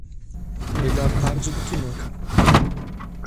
Melhor tarde do que nunca.